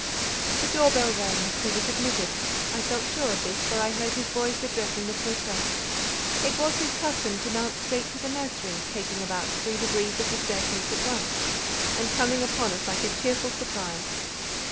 The door bell rang, he was admitted; I felt sure of this, for I heard his voice addressing the portress. It was his custom to mount straight to the nursery, taking about three degrees of the staircase at once, and coming upon us like a cheerful surprise.